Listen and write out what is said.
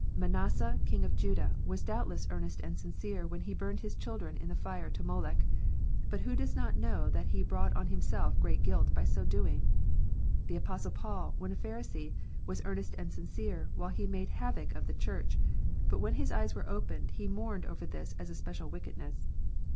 Manasseh, King of Judah, was doubtless earnest and sincere when he burned his children in the fire to Moloch ; but who does not know that he brought on himself great guilt by so doing 1 The Apostle Paul, when a Pharisee, was earnest and sincere while he made havoc of the Church, but when his eyes were opened he mourned over this as a special wickedness.